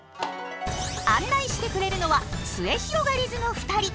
案内してくれるのはすゑひろがりずの２人。